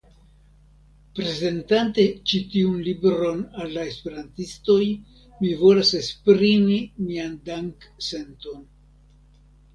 Prezentante ĉi tiun libron al la Esperantistoj, mi volas esprimi mian danksenton.